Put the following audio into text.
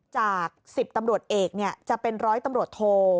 จาก๑๐ตำรวจเอกจะเป็นร้อยตำรวจโท